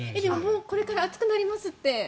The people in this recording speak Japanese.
でもこれから暑くなりますって。